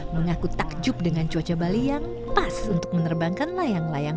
mengaku takjub dengan cuaca bali yang pas untuk menerbangkan layang layang